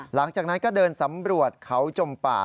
หลังจากนั้นก็เดินสำรวจเขาจมป่า